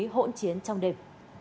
hỗn chiến trong đêm